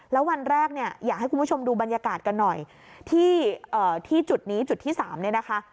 แล้ววันแรกเนี่ยอยากให้คุณผู้ชมดูบรรยากาศกันหน่อยที่จุดนี้จุดที่๓เนี่ยนะคะ